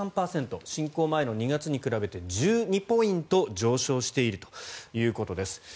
侵攻前の２月に比べて１２ポイント上昇しているということです。